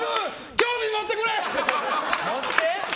興味持ってくれ！